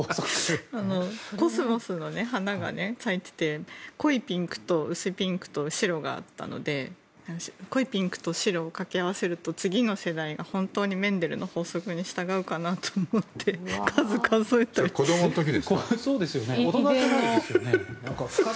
コスモスの花が咲いていて濃いピンクと薄いピンクと白があったので濃いピンクと白を掛け合わせると次の世代が本当にメンデルの法則に従うのかなと思って子供の時ですか。